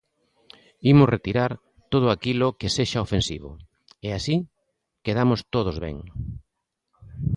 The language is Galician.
Imos retirar todo aquilo que sexa ofensivo e así quedamos todos ben.